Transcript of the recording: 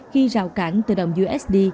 khi rào cản từ đồng usd